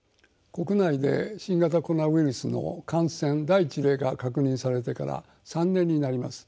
国内で新型コロナウイルスの感染第一例が確認されてから３年になります。